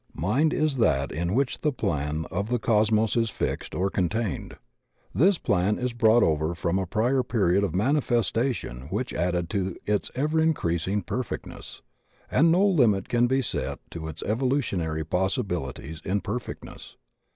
Mind is that in which the plan of the Cos mos is fixed or contained. This plan is brought over from a prior period of manifestation which added to its ever increasing perfectness, and no limit can be set to its evolutionary possibilities in perfectness.